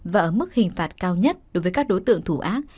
và ở mức hình phạt cao nhất đối với các đối tượng thủ ác